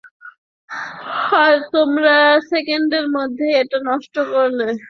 আর তোমরা সেকেন্ডের মধ্যেই এটা নষ্ট করলে!